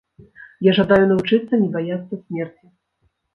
Я жадаю навучыцца не баяцца смерці.